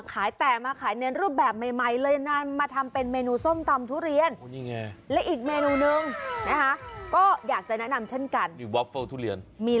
แกะออกมาเห็นเป็นภูสวยแบบนี้